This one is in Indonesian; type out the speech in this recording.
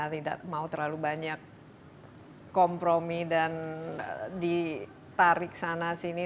tidak mau terlalu banyak kompromi dan ditarik sana sini